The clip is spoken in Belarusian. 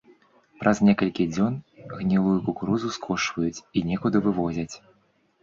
Праз некалькі дзён гнілую кукурузу скошваюць і некуды вывозяць.